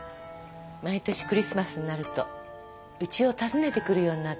毎年クリスマスになるとうちを訪ねてくるようになったの。